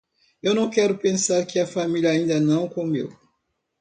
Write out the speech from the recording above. Eu não quero pensar que a família ainda não comeu.